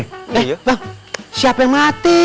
eh siapa yang mati